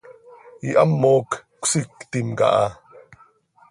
Ihamoc cöisictim aha.